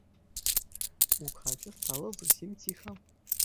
У хаце стала зусім ціха.